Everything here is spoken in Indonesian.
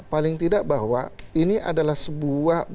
paling tidak bahwa ini adalah sebuah